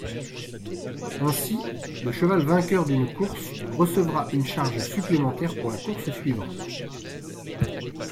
Ainsi, le cheval vainqueur d'une course recevra une charge supplémentaire pour la course suivante.